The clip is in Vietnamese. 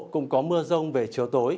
cùng có mưa rông về chiều tối